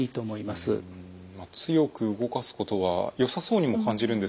強く動かすことはよさそうにも感じるんですけれども。